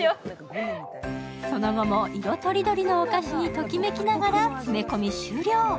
その後も色とりどりのお菓子にトキメキながら詰め込み終了。